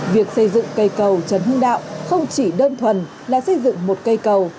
việc xây dựng cây cầu trần hưng đạo không chỉ đơn thuần là xây dựng một cây cầu